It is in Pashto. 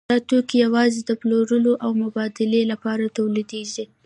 دا توکي یوازې د پلورلو او مبادلې لپاره تولیدېږي